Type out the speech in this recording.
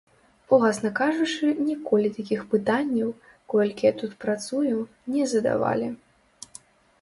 Уласна кажучы, ніколі такіх пытанняў, колькі я тут працую, не задавалі.